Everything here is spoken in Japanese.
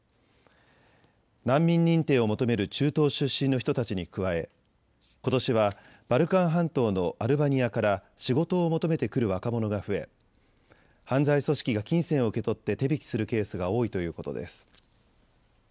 難民認定を求める中東出身の人たちに加えことしはバルカン半島のアルバニアから仕事を求めて来る若者が増え犯罪組織が金銭を受け取って手引きするケースが多いということです。